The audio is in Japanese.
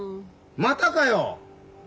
またかよ？